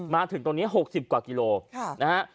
มาถึงตรงนี้๖๐กว่ากิโลนะฮะ